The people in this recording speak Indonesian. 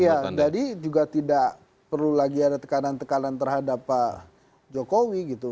iya jadi juga tidak perlu lagi ada tekanan tekanan terhadap pak jokowi gitu